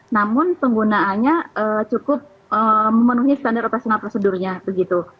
namun penggunaannya cukup memenuhi standar operasional prosedurnya begitu